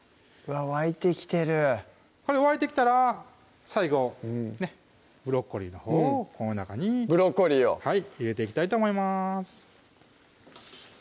沸いてきてる沸いてきたら最後ブロッコリーのほうをこの中にブロッコリーを入れていきたいと思います